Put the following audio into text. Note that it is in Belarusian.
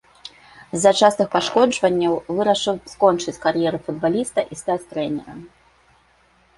З-за частых пашкоджанняў вырашыў скончыць кар'еру футбаліста і стаць трэнерам.